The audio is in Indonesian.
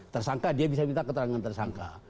tersangka dia bisa minta keterangan tersangka